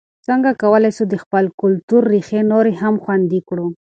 څنګه کولای سو د خپل کلتور ریښې نورې هم خوندي کړو؟